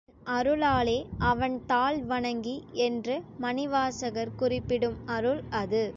அவன்அரு ளாலே அவன்தாள் வணங்கி என்று மணிவாசகர் குறிப்பிடும் அருள் அது.